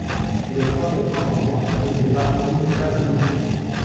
Le phare est peint en blanc avec des barres horizontales rouges.